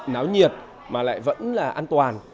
náo nhiệt mà lại vẫn là an toàn